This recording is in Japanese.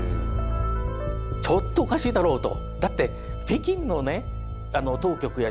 ちょっとおかしいだろうと。